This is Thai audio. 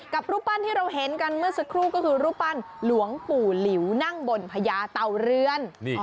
รูปปั้นที่เราเห็นกันเมื่อสักครู่ก็คือรูปปั้นหลวงปู่หลิวนั่งบนพญาเตาเรือน